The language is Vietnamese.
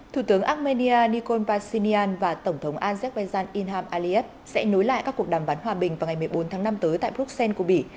thủ tướng armenia nikol pashinyan và tổng thống azerbaijan inham aliyev sẽ nối lại các cuộc đàm phán hòa bình vào ngày một mươi bốn tháng năm tới tại bruxelles của bỉ